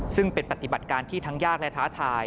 ซึ่งเป็นปฏิบัติการที่ทั้งยากและท้าทาย